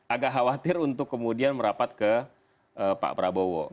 agak khawatir untuk kemudian merapat ke pak prabowo